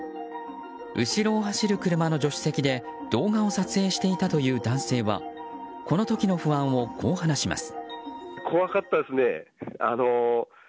後ろを走る車の助手席で動画を撮影していたという男性はこの時の不安をこう話します。